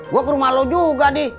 gua ke rumah lo juga be